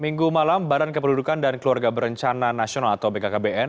minggu malam badan kependudukan dan keluarga berencana nasional atau bkkbn